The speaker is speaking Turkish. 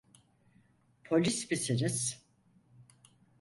Polis misiniz?